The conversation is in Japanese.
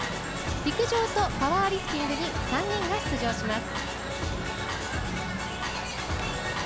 陸上とパワーリフティングに３人が出場します。